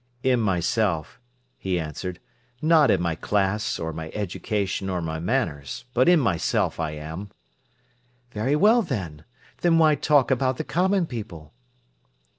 "In myself," he answered, "not in my class or my education or my manners. But in myself I am." "Very well, then. Then why talk about the common people?"